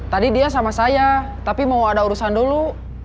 tadi dia sama saya tapi mau ada urusan dulu